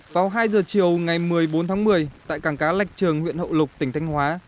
vào hai giờ chiều ngày một mươi bốn tháng một mươi tại cảng cá lạch trường huyện hậu lộc tỉnh thanh hóa